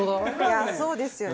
いやそうですよね。